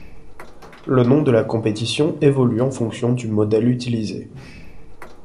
Le nom de la compétition évolue en fonction du modèle utilisé.